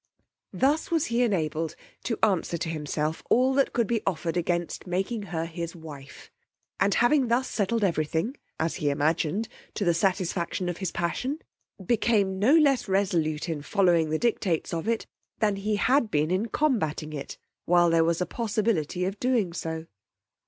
Thus was he enabled to answer to himself all that could be offered against making her his wife; and having thus settled every thing, as he imagined, to the satisfaction of his passion, became no less resolute in following the dictates of it than he had been in combating it while there was a possibility of doing so.